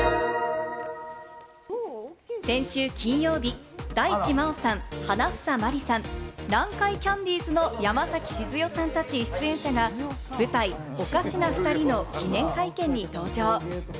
先週金曜日、大地真央さん、花總まりさん、南海キャンディーズの山崎静代さんたち出演者が舞台『おかしな二人』の記念会見に登場。